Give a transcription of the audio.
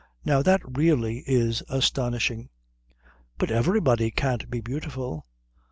"Now that really is astonishing." "But everybody can't be beautiful."